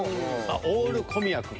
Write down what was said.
オール小宮くん。